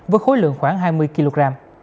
với khối lượng khoảng hai mươi kg